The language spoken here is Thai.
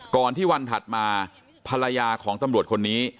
ก่อนที่วันถัดมาภรรยาของตำรวจคนนี้